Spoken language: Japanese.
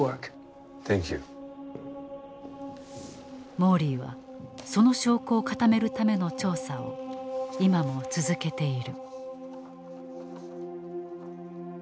モーリーはその証拠を固めるための調査を今も続けている。